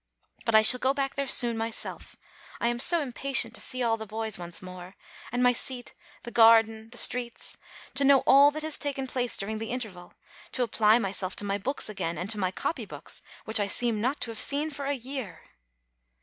But I shall go back there soon myself. I am so impatient to see all the boys once more, and my seat, the garden, the streets ; to know all that has taken place during the interval ; to apply myself to my books again, and to my copy books, which I seem not to have seen for a year!